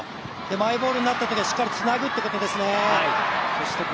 マイボールになったときはしっかりつなぐということですね。